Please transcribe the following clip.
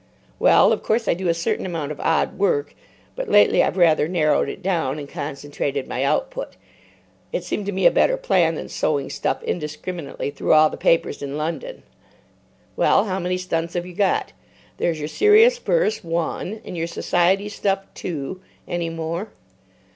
"Well, of course, I do a certain amount of odd work, but lately I've rather narrowed it down, and concentrated my output. It seemed to me a better plan than sowing stuff indiscriminately through all the papers in London." "Well, how many stunts have you got? There's your serious verse—one. And your Society stuff—two. Any more?"